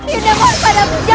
yudha mohon pada pujah